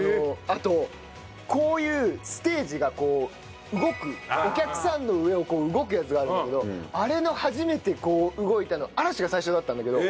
あとこういうステージがこう動くお客さんの上を動くやつがあるんだけどあれの初めて動いたの嵐が最初だったんだけど。